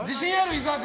伊沢君。